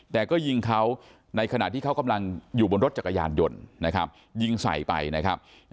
แต่ก็ยิงเขาในขณะที่เขากำลังอยู่บนรถจักรยานยนต์นะครับยิงใส่ไปนะครับ